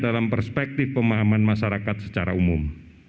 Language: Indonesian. dalam perspektif pemahaman masyarakat secara umum